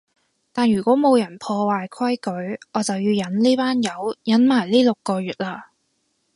但如果冇人破壞規矩，我就要忍呢班友忍埋呢六個月喇